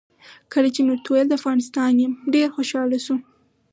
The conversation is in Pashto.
کله چې مې ورته وویل د افغانستان یم ډېر خوشاله شو.